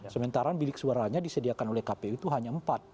sementara bilik suaranya disediakan oleh kpu itu hanya empat